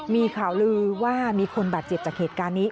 มีข่าวลือว่ามีคนบาดเจ็บจากเหตุการณ์นี้